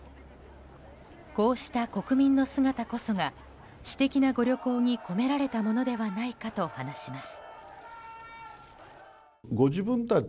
こうした国民の姿こそが私的なご旅行に込められたものではないかと話します。